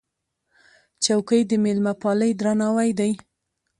چوکۍ د مېلمهپالۍ درناوی دی.